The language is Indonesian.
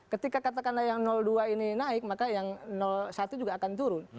ketika katakanlah yang dua ini naik maka yang satu juga akan turun